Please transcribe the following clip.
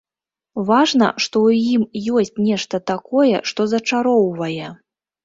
Важна, што ў ім ёсць нешта такое, што зачароўвае.